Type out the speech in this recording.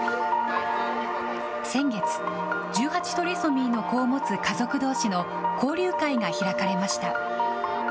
先月、１８トリソミーの子を持つ家族どうしの交流会が開かれました。